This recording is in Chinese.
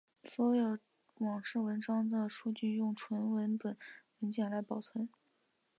所有网志文章的数据用纯文本文件来保存。